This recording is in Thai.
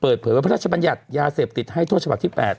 เปิดเผยว่าพระราชบัญญัติยาเสพติดให้โทษฉบับที่๘